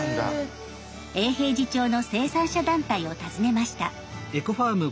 永平寺町の生産者団体を訪ねました。